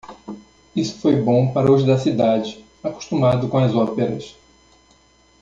Isso foi bom para os da cidade, acostumados com as óperas.